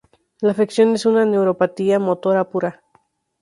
La afección es una neuropatía motora pura.